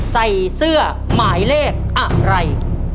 ใส่เสื้อหมายเลขอะไร